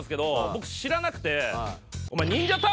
僕知らなくて。